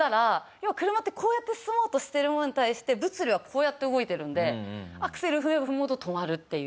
要は車ってこうやって進もうとしてるものに対して物理はこうやって動いてるんでアクセル踏めば踏むほど止まるっていう。